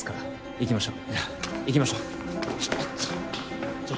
行きましょう行きましょう。